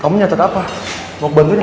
kamu nyatet apa mau gue bantuin gak